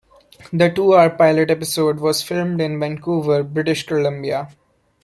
The two-hour pilot episode was filmed in Vancouver, British Columbia.